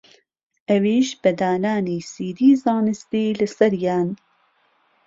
ئەویش بە دانانی سیدی زانستی لەسەریان